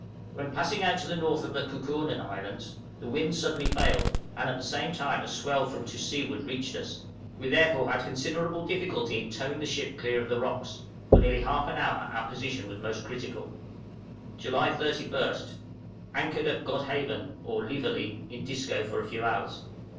When passing out to the north of the Kookornen Islands, the wind suddenly failed, and at the same time a swell from to seaward reached us; we therefore had considerable difficulty in towing the ship clear of the rocks; for nearly half an hour our position was most critical. {THE 'FOX' REACHES DISCO.} July 31st. Anchored at Godhaven (or Lievely), in Disco, for a few hours.